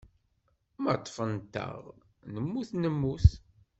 Ma ṭṭfent-aɣ, nemmut nemmut.